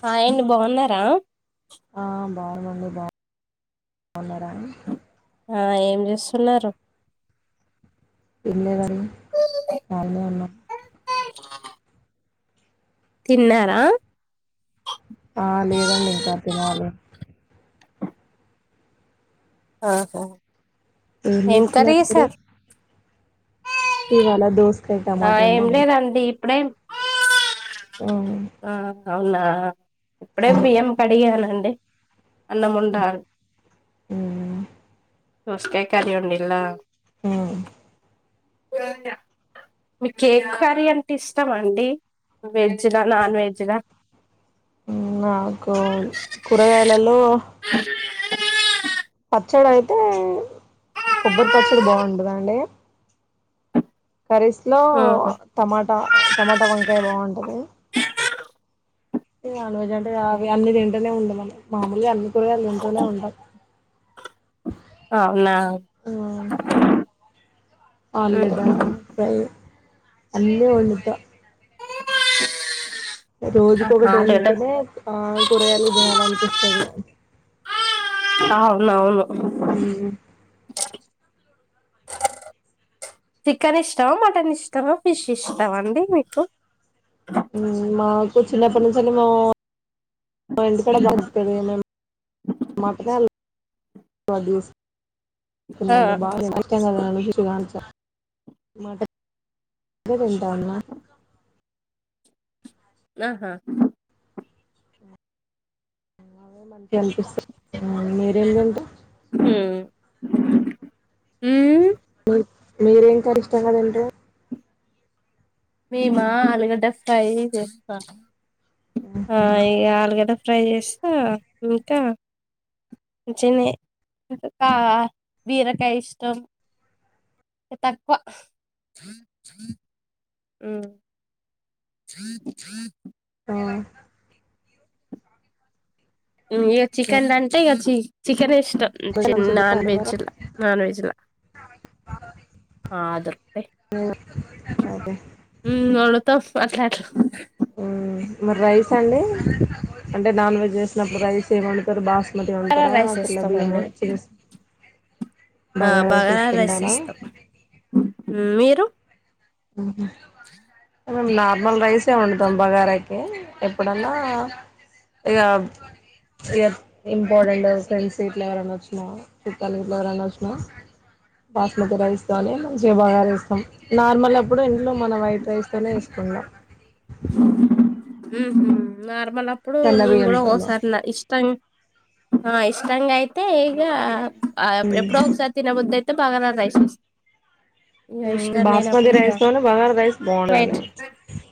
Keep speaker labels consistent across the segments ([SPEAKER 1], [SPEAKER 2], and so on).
[SPEAKER 1] Hi అండి బాగున్నారా
[SPEAKER 2] ఆ బాగునా అండి బా బాగున్నారా
[SPEAKER 1] ఆ ఏం చేస్తున్నారు
[SPEAKER 2] ఏం లేదండి కాల్ లో ఉన్నా
[SPEAKER 1] తిన్నారా
[SPEAKER 2] ఆ లేదండి ఇంకా తినాలి
[SPEAKER 1] ఆహా ఏం కర్రీ
[SPEAKER 2] చేస్తున్నారు మీరు
[SPEAKER 1] చేశారు
[SPEAKER 2] ఇవాళ
[SPEAKER 1] ఆ
[SPEAKER 2] దోసకయట్టమాట
[SPEAKER 1] ఏం
[SPEAKER 2] వండనం
[SPEAKER 1] లేదండి ఇప్పుడేం
[SPEAKER 2] ఉమ్
[SPEAKER 1] ఆ అవునా ఇప్పుడే బియ్యం కడిగానండి అన్నము వండర్
[SPEAKER 2] హ్మ్
[SPEAKER 1] దోసకాయ కర్రీ వండిళ్ల
[SPEAKER 2] ఆ
[SPEAKER 1] మీ కేక్ కర్రీ అంటే ఇస్తామ అండి వెజ్లా నాన్ వెజ్లా
[SPEAKER 2] నాకు కూరగాయలలో పచ్చడి అయితే కొబ్బరి పచ్చడి బాగుంటద అండి. కర్రీస్లో
[SPEAKER 1] ఆహా
[SPEAKER 2] టమాటా టమాటా వంకాయ బాగుంటది తను జెంటి గా అవీ అన్నిది ఈట్లనేవుండమను మామూలుగా అనీ కూరగాయలు తింటూనే ఉంటాయి
[SPEAKER 1] అవునా
[SPEAKER 2] ఆ అలుగడ్డ ఫ్రై అన్ని వండుతా
[SPEAKER 1] ఆహా
[SPEAKER 2] రోజుకొకటి
[SPEAKER 1] ఆలుగడ్డ
[SPEAKER 2] వొండితానే ఆ కూరగాలు తినాలిఅనిపిస్తాది
[SPEAKER 1] అవునవును
[SPEAKER 2] హమ్
[SPEAKER 1] చికెన్ ఇష్టమా మటన్ ఇష్టమా ఫిష్ ఇష్టమా అండి మీకు.
[SPEAKER 2] మా కూర్చున్నప్పటి నుంచిే అంటే మా ఎందుకడ దాగుతుంది మేం మాట [unintelligible]
[SPEAKER 1] ఆ
[SPEAKER 2] తినండి బా తిన [inaudible] [unintelligible] మాట వింటాంన్నా మా.
[SPEAKER 1] ఆహా
[SPEAKER 2] అవే మంచిగా అనిపిస్తాది మీరేం తింటాం
[SPEAKER 1] ఉమ్ ఉమ్
[SPEAKER 2] మీరేం కర్రి ఇష్టంగా తింటే
[SPEAKER 1] మేమా అలుగడ్డ ఫ్రై చేస్తా. ఆ ఈ అల్గడ్డ ఫ్రై చేస్తా ఇంకా చిన బీరకాయ ఇష్టం తక్కువ మ్
[SPEAKER 2] ఆ
[SPEAKER 1] ఉమ్ ఇగ చికెందంటే ఇగా చి చికెనే ఇష్టం. చి నాన్ వెజ్ ల నాన్ వెజ్ ల ఆ దొరుకుతాయి.
[SPEAKER 2] తింటారు
[SPEAKER 1] ఉమ్ వండుతాం. మాట్లాడు
[SPEAKER 2] మరి రైస్ అండి అంటే నాన్ వెజ్ వేసినప్పుడు రైస్ ఏంండుతారు బాస్
[SPEAKER 1] బార రైస్ చేస్తాం అండి
[SPEAKER 2] బగారా
[SPEAKER 1] బగార రైస్
[SPEAKER 2] వేసుకుంటారా
[SPEAKER 1] చేస్తాం మీరు [inaudible]
[SPEAKER 2] ఆఓ మేము నార్మల్ రైసే వండుతాం బగారకి. ఎప్పుడన్నా ఇగ ఇగ ఇంపార్టెంట్ ఫ్రెండ్స్ గిట్ల ఎవరైనా వచ్చినా, చుట్టాలు గిట్ల ఎవరైనా వచ్చినా బాస్మతి రైస్ తోనీ మంచిగా బగార ఏస్తం నార్మల్. ఇప్పుడు ఎ లో మన వైట్ రైస్ తనే తిన్న
[SPEAKER 1] హ్ హ్ నార్ మల్లప్పుడు
[SPEAKER 2] తెల్ల
[SPEAKER 1] నేను గూడ ఒసారి నా
[SPEAKER 2] బియ్యంతోనే
[SPEAKER 1] ఇష్టం ఆ ఇష్టంగా అయితే ఈగ ఆ ఎప్ ఎప్పుడు ఒకసారి తినబుద అయిత్ తే బగారా రైస్ ఇక
[SPEAKER 2] ఊ
[SPEAKER 1] ఇష్టం
[SPEAKER 2] బాస్మతి
[SPEAKER 1] లేనప్పుడు ఇక
[SPEAKER 2] రైస్ తోనే బగార రైస్ బాగుండదు
[SPEAKER 1] వైట్
[SPEAKER 2] అని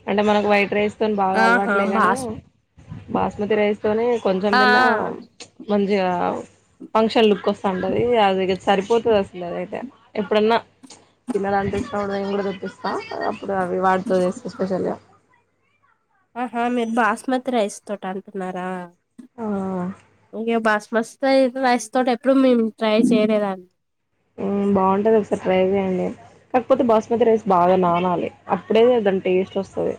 [SPEAKER 2] అంటే మనం వైట్ రైస్ తొని బాగా
[SPEAKER 1] ఆహా
[SPEAKER 2] అలవాట్లేగాని
[SPEAKER 1] బాస్
[SPEAKER 2] బాస్మతి రైస్ తోని కొంచెం
[SPEAKER 1] ఆ
[SPEAKER 2] తిన్నా మంచిగా ఫంక్షన్ లుక్ వస్తంటది అది సరిపోతుంది వస్తుంది అద అయితే ఎప్పుడన్నా తినాలనిపిస్త మేము కూడా తెప్పిస్తాం హా హ్ ఇపుడు అవి వాటితో జేస్తే స్పెషల్ ఎమ్
[SPEAKER 1] ఆహా మీరు బాస్మతి రైస్ తోటి అంటున్నారా
[SPEAKER 2] ఆ
[SPEAKER 1] ఇంగే బస్మస్ రైస్ తోటి ఎప్పుడు మేము ట్రై చేయలేదాన్ని
[SPEAKER 2] ఉమ్ బాగుంటది ఒకసారి ట్రై చేయండి, కాకపోతే బాస్మతి రైస్ బాగా నానాలి, అప్పుడే దాని టేస్ట్ ఒస్తది.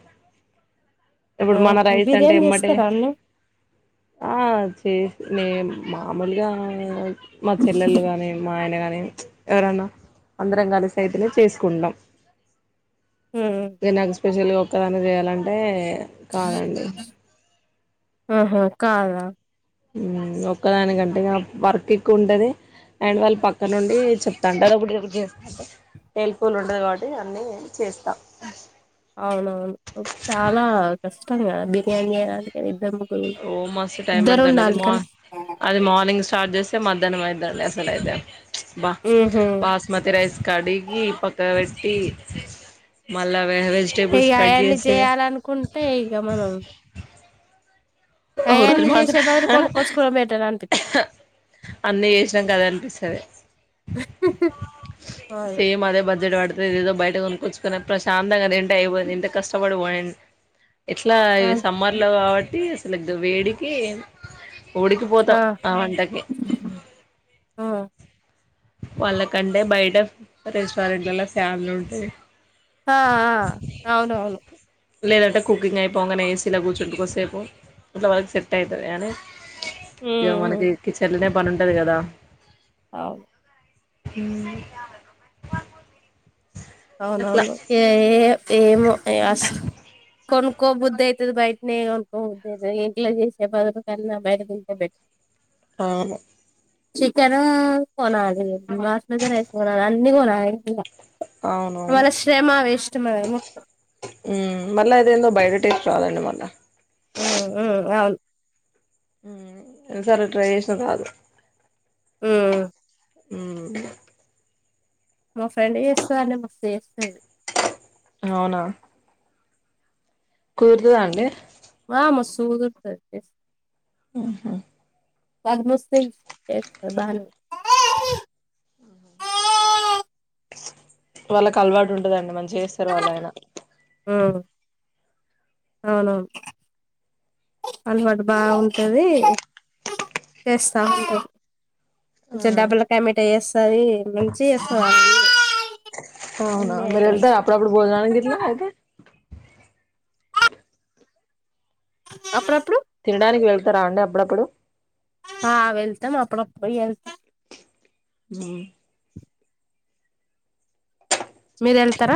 [SPEAKER 1] ఆ
[SPEAKER 2] ఇప్పుడు మన రైస్ అంటే
[SPEAKER 1] బిర్యానీ
[SPEAKER 2] ఎమ్మటే
[SPEAKER 1] చేస్తారా అండి
[SPEAKER 2] ఆ చేస్ నేన్ మామూలుగా మా చెల్లెళ్ళు గని మా ఆయన గాని ఎవరన్నా అందరం కలిసైతేనె చేసుకుంటం దినకు స్పెషలు తన చేయాలంటే కానండి
[SPEAKER 1] ఆహ కాద
[SPEAKER 2] ఊ ఒక్కదానికంటే వర్క్ ఎక్కువ ఉంటది అండ్ వాళ్ళు పక్క నుండి చెప్తాంటారు [unintelligible] హెల్ప్ఫుల్ ఉంటది కాబట్టి అన్నీ చేస్తా
[SPEAKER 1] అవునవును చాలా కష్టం కష్టం కదా బిర్యానీ చెయ్యడానికి ఇద్దము
[SPEAKER 2] ఓ మస్తు టైం పడుదండి అది అది మార్నింగ్ స్టార్ట్ చేస్తే మధ్యాహ్నం అయి దర్లేస్తలేదేం బా బాస్మతి రైస్ కడిగి పక్కకు పెట్ ఈ
[SPEAKER 1] ఇక అయన్నీ చేయాలనుకుంటే ఇగ మనం
[SPEAKER 2] ఒక రోజు
[SPEAKER 1] అయన్ని
[SPEAKER 2] మాత్రం
[SPEAKER 1] చేసే బదులు కొనుక్కొచ్చుకోవడం బెటర్ అనిపి
[SPEAKER 2] అన్నీ చేసినాం గదా అనిపిస్తది,
[SPEAKER 1] అవును
[SPEAKER 2] సేమ్ అదే బడ్జెట్ పడుత్ దెదేదో బయట కొచ్చుకొని ప్రశాంతంగా తింట్. డైవర్ ఎంత కష్టపడు పోయే. ఉ ఎట్లా ఇవి సమ్మర్ లో కాబట్ తీస్ లడ్డు వేడికి ఊడికిపోతాం ఆ వంటకి
[SPEAKER 1] ఆ
[SPEAKER 2] వాళ్ళకంటే బయట రెస్టారెంట్లలలో ఫ్యాన్లు ఉంటాయి
[SPEAKER 1] ఆ ఆ అవును అవును.
[SPEAKER 2] లేదంటే కుకింగ్ అయ్యిపొంగానే ఏ సీలో కూర్చుంటుకోసేపు ఇట్లా వాళ్ళకు సెట్ అయితది కానీ ఇగ మనకి కిచెన్ ప్ తను ఉంటది గాదా
[SPEAKER 1] అవు
[SPEAKER 2] ఊ
[SPEAKER 1] అవునవును ఏ ఏమో అయాస్ కొనుక్కో బుద్ధి అయితది బయటనే కొనుక్కో బుద్ధి అయితది ఇంట్లో చేసే బదులు కానీ నా బయట తింటే బెట
[SPEAKER 2] అవును
[SPEAKER 1] చికెనూ కొనాలి బాసుమతి రైస్ కొనాలి అన్ని కొనాలిలా
[SPEAKER 2] అవునవును
[SPEAKER 1] మనము
[SPEAKER 2] ఊ మళ్ళ అదెందో బయట లక్ రాదండి మళ్లా
[SPEAKER 1] ఉ ఉ అవున్
[SPEAKER 2] ఓసారి ట్రై జేసిన రాదు
[SPEAKER 1] ఆ
[SPEAKER 2] ఉమ్
[SPEAKER 1] మా ఫ్రెండ్ చేస్తాందండి మస్త్ చేస్తాది.
[SPEAKER 2] అవునా కుర్దుద అండీ
[SPEAKER 1] హ మస్తు కుదురుతది
[SPEAKER 2] ఆహా
[SPEAKER 1] [unintelligible] దానివి
[SPEAKER 2] వాళ్ళకు అలవాటు ఉంటదండి మంచిగా జెస్తారు వాళ్లయినా
[SPEAKER 1] ఆ అవునవును అల్వాటు బాగుంటది చేస్తా ఉంటు కొంచం డబ్బుల కమిటా ఎస్ సరే మంచిగా చేస్తావ్ అన్ని
[SPEAKER 2] అవునా మీరు
[SPEAKER 1] ఐటమ్స్
[SPEAKER 2] వెళ్తారా అప్పుడప్పుడు భోజనానికి గిట్ల అయితే
[SPEAKER 1] అప్పుడప్పుడు
[SPEAKER 2] తినడానికి వెళ్తారా అండి అప్పుడప్పుడు
[SPEAKER 1] హా వెల్తమ్ అప్పుడప్పుడు ఎ
[SPEAKER 2] మ్
[SPEAKER 1] మీరు వెళ్తార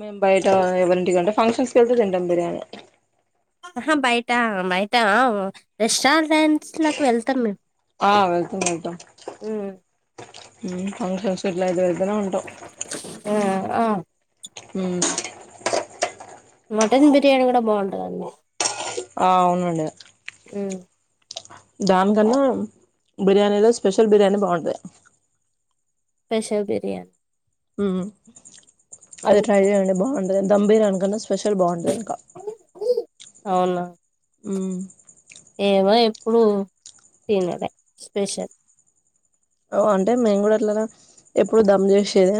[SPEAKER 2] మేమ్ బయట ఎవరింటికంటె ఫంక్షన్స్ కి వెళ్తే తింటాం బిర్యానీ
[SPEAKER 1] అహా బయట బయట ఆ రెస్టారెంట్ ఫ్రెండ్స్ లాకి వెళ్తాం మేము
[SPEAKER 2] ఆ వెళ్తాం వెళ్తాం ఫంక్షన్స్ కి ఇట్లా అయి
[SPEAKER 1] ఆ ఆ
[SPEAKER 2] హ
[SPEAKER 1] మటన్ బిర్యానీ కూడా బాగుంటదండి
[SPEAKER 2] ఆ అవునండి
[SPEAKER 1] అ
[SPEAKER 2] దాన్ కన్నా బిర్యానీలో స్పెషల్ బిర్యానీ బావుంటది.
[SPEAKER 1] స్పెషల్ బిర్యాని
[SPEAKER 2] ఉమ్ అది ట్రై చేయండి బావుంట ద దమ్ బిర్యానీ కన్నా స్పెషల్ బావుంటది ఇంకా
[SPEAKER 1] అవునా
[SPEAKER 2] హ్మ్.
[SPEAKER 1] ఏమో ఎప్పుడు తినేదే స్పెషల్
[SPEAKER 2] ఓ అంటే మేము కూడా ఇట్లా ఎప్పుడు దమ్ చేసేదే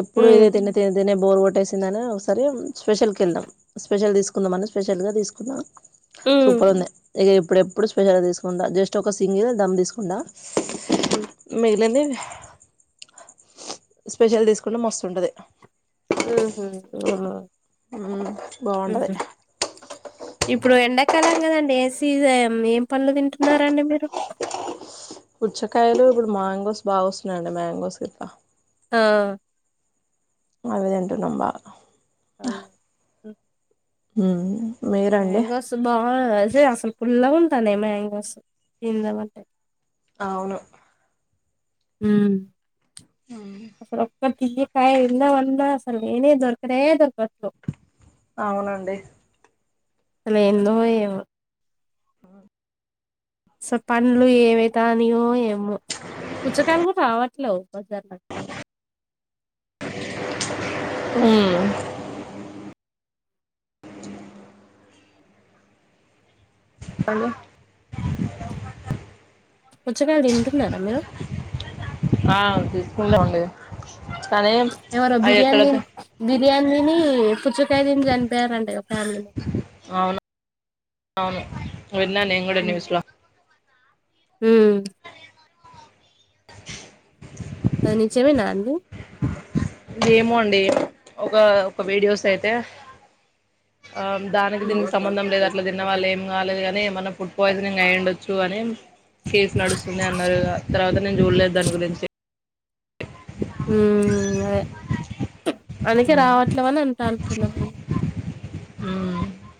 [SPEAKER 2] ఎప్పుడు
[SPEAKER 1] ఉమ్
[SPEAKER 2] ఇదే తిని తిని తిని బోర్ గొట్టేసిందని ఒకసారి స్పెషల్ కే వెళ్దాం స్పెషల్ తీస్ కుందామంని స్పెషల్ గా తీసుకున్నా
[SPEAKER 1] ఉమ్
[SPEAKER 2] సూపర్ ఉంది ఇక ఎపుడూపుడు స్పెషల్గా తీసుకుంటా జస్ట్ ఒక సింగిల్ దమ్ తీసుకుంటా
[SPEAKER 1] ఉమ్
[SPEAKER 2] మేలండి స్పెషల్ తీసుకుంటె మస్తుంటది
[SPEAKER 1] హ్మ్ హు
[SPEAKER 2] హ్మ్ బాగుంటది
[SPEAKER 1] ఇప్పుడు ఎండాకాలం కదండి ఏసీ ఏం పడ్లు తింటున్నారండి మీరు
[SPEAKER 2] పుచ్చకాయలు ఇప్పుడు మాంగోస్ బాగా వస్తున్నాయండి మ్యాంగోస్ ఇట్లా
[SPEAKER 1] ఆ
[SPEAKER 2] అవితింటునం బాగా
[SPEAKER 1] అమ్ హ్మ్
[SPEAKER 2] హ్మ్ మీరండి
[SPEAKER 1] మాంగోస్ బాస అసలు పుల్లాగా తనే మాంగోస్ తినమంటే
[SPEAKER 2] అవును
[SPEAKER 1] హ్మ్ అప్పుడు ఒక్క తీకాయ ఎన్న [unintelligible] వంద అల్ [unintelligible] నేనే దొరకనే దొరక
[SPEAKER 2] అవునండి
[SPEAKER 1] అ ఏందో ఏమో సో పండ్లు ఏవై తానియో ఏ పుచ్చ కాయ్ కూడా రావట్లేవు ఒకస [inaudible]
[SPEAKER 2] హ్మ్ హలో
[SPEAKER 1] పుచ్చకాయలు తింటున్నారా మీరు
[SPEAKER 2] ఆ తీసుకుంటాం అండి
[SPEAKER 1] ఎవరో బిర్యానీ బిర్యానీని పుచ్ పుచ్చకాయ తిని చనిపోయారంట ఫ్యామిలి
[SPEAKER 2] అవును అవును విన్నా నేను కూడా న్యూస్ లో
[SPEAKER 1] హ్మ్ నిజమేనా అండి
[SPEAKER 2] ఇ ఏమో అండి ఒక ఒక వీడియోస్ అయితే ఆ దానికి దీనికి సంబంధం లేదు అట్లా తిన్నవాళ్ళు ఏం కాలేదు కాని మనం ఫుడ్ పాయిజనింగ్ అయి్య ఉండొచ్చు అని కేసు నడుస్తుంది అన్నారు తర్వాత నేను చూడలేదు దాని గురించి
[SPEAKER 1] ఉమ్ గా అందుకే
[SPEAKER 2] ఉమ్
[SPEAKER 1] రావట్లే అని అంటాను తు లము
[SPEAKER 2] ఆ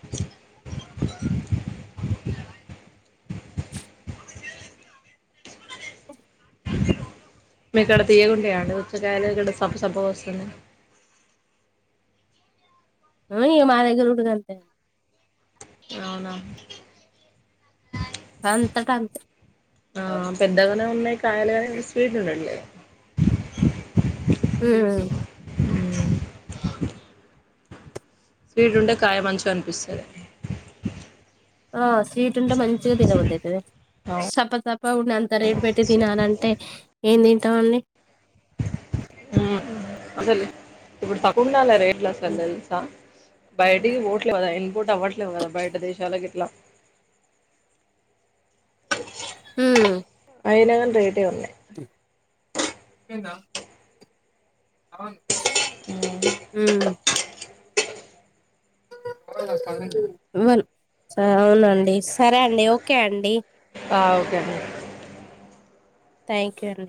[SPEAKER 2] మీకడ తీయగా ఉంటాయా అండి ఉచ్చకాయాల ఇడ సప సప కోస్తున్న
[SPEAKER 1] అ ఇంగ మా దగ్గర కూడా గంతే
[SPEAKER 2] అవునా
[SPEAKER 1] అంతటా అంతే
[SPEAKER 2] ఆ పెద్దగాన ఉన్నాయి కయలగానే స్వీట్ ఉండట్లే
[SPEAKER 1] ఉమ్
[SPEAKER 2] స్వీడ్ ఉండే కాయమంచు అనిపిస్తుంది
[SPEAKER 1] ఆ స్వీట్ ఉంటే మంచిగా తినబదు అవుతుంది
[SPEAKER 2] అవు
[SPEAKER 1] చప్ప తప్ప ఉండి అంతా రేటు పెట్టి తినాలంటే ఏ [unintelligible]
[SPEAKER 2] హు అసలి ఇప్పుడు సకుగుం నాల రే ఇలా
[SPEAKER 1] ఉమ్
[SPEAKER 2] సందల్సా బయటికి పోట్లే కదా ఇన్పోట్ అవ్వట్లేవు కదా బయట దేశాలకు ఇట్లా
[SPEAKER 1] ఉమ్
[SPEAKER 2] అయినాకం రేట్ టే ఉన్నాయి
[SPEAKER 1] [unintelligible] అవును హు అవునండి సరే అండి ఓకే అండి
[SPEAKER 2] ఆ ఓకే అని
[SPEAKER 1] థ్యాంక్ యూ అండి